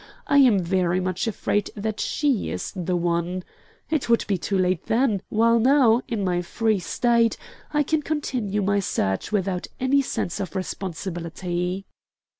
I am very much afraid that she is the one.' It would be too late then; while now, in my free state, I can continue my search without any sense of responsibility."